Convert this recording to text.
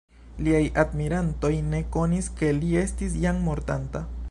Liaj admirantoj ne konis ke li estis jam mortanta.